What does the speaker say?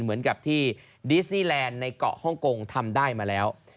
เหมือนกับที่ดิสนีแลนด์ในเกาะฮ่องกงทำได้มาแล้ว